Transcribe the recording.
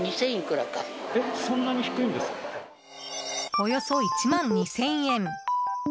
およそ１万２０００円。